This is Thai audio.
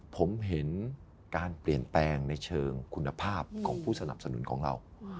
ผมเห็นการเปลี่ยนแปลงในเชิงคุณภาพของผู้สนับสนุนของเรา